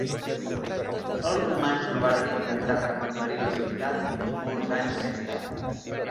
Els romans no varen intentar reconquerir la ciutat fins molts anys més tard.